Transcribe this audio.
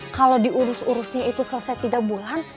kalau diurus urusnya itu selesai tiga bulan